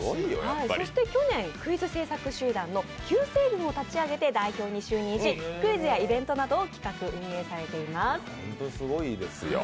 そして去年、クイズ制作集団のＱ星群を立ち上げ代表に就任し、クイズやイベントなどを企画・運営されています。